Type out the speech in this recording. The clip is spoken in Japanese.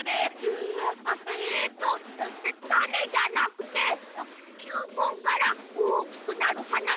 ええああえっとたねじゃなくてきゅうこんからおおきくなるはなだよ。